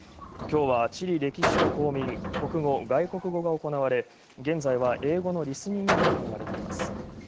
きょうは、地理歴史と公民、国語外国語が行われ現在は英語のリスニングが行われています。